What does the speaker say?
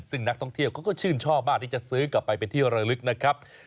ซึ่งนักท่องเที่ยวเขาก็ชื่นชอบมากที่จะซื้อกลับไปเป็นที่ระลึกนะครับ